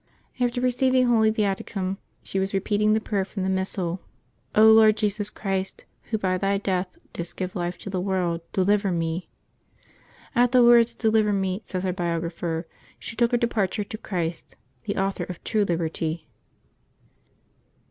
After receiving Holy Viaticum, she was repeating the prayer from the Missal, *' Lord Jesus Christ, Wlio by Thy death didst give life to the world, deliver me." At the words ^' deliver me," says her biographer, she took her departure to Christ, the Author of true liberty.